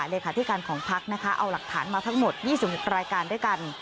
เลขาธิการของพักนะคะเอาหลักฐานมาทั้งหมด๒๖รายการด้วยกัน